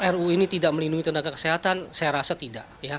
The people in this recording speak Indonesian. ruu ini tidak melindungi tenaga kesehatan saya rasa tidak